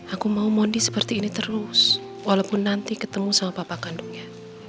aku mau mondi seperti ini terus walaupun nanti ketemu sama papa kandungnya